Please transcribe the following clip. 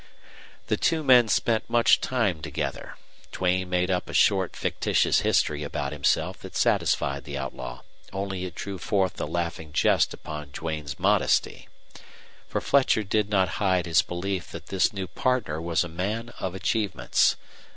The two men spent much time together. Duane made up a short fictitious history about himself that satisfied the outlaw, only it drew forth a laughing jest upon Duane's modesty. For Fletcher did not hide his belief that this new partner was a man of achievements.